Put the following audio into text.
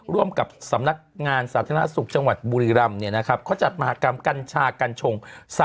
ร่วมกับสำนักงานสาธารณสุขจังหวัดบุรีรำเขาจัดมหากรรมกัญชากัญชง